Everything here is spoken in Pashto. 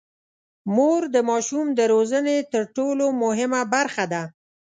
مور د ماشوم د روزنې تر ټولو مهمه برخه ده.